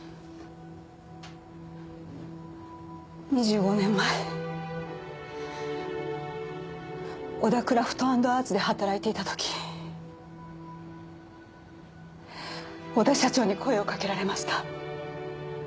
２５年前小田クラフト＆アーツで働いていた時小田社長に声をかけられました。